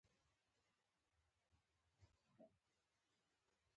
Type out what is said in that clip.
کتل د زړونو اړیکې ټینګوي